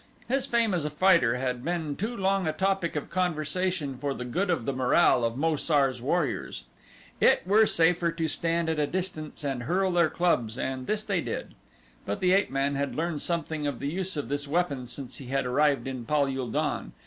His fame as a fighter had been too long a topic of conversation for the good of the morale of Mo sar's warriors. It were safer to stand at a distance and hurl their clubs and this they did, but the ape man had learned something of the use of this weapon since he had arrived in Pal ul don.